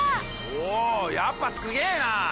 おやっぱすげぇな！